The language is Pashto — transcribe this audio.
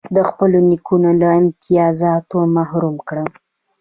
د خپلو نیکونو له امتیازاتو محروم کړ.